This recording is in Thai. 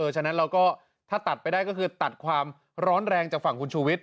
ฉะนั้นเราก็ถ้าตัดไปได้ก็คือตัดความร้อนแรงจากฝั่งคุณชูวิทย